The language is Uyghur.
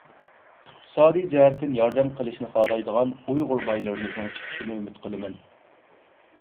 ئىقتىسادىي جەھەتتىن ياردەم قىلىشنى خالايدىغان ئۇيغۇر بايلىرىمىزنىڭ چىقىشىنى ئۈمىد قىلىمەن.